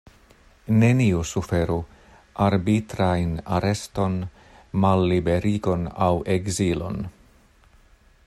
Neniu suferu arbitrajn areston, malliberigon aŭ ekzilon.